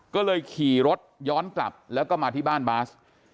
ก็เลยขี่รถย้อนกลับแล้วก็มาที่บ้านบาส